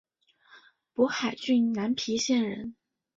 勃海郡南皮县人。